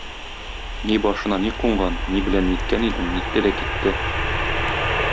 Ни башына ни кунган, ни белән ниткән идем, нитте дә китте.